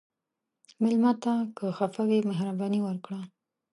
مېلمه ته که خفه وي، مهرباني وکړه.